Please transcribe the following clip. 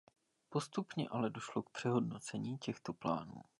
Postupně ale došlo k přehodnocení těchto plánů.